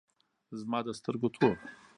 زما د سترگو تور